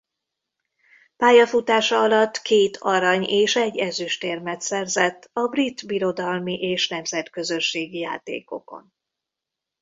Pályafutása alatt két arany- és egy ezüstérmet szerzett a brit birodalmi és nemzetközösségi játékokon.